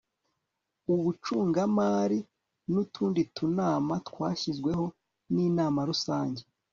ubucungamari n'utundi tunama twashyizweho n'inama rusange